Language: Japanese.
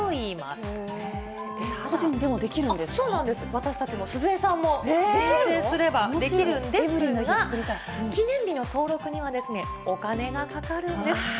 私たちも、鈴江さんも申請すればできるんですが、記念日の登録には、お金がかかるんです。